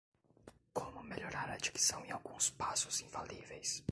Como melhorar a dicção em alguns passos infalíveis